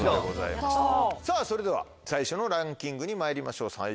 さぁそれでは最初のランキングにまいりましょう。